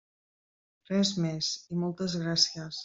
Res més, i moltes gràcies.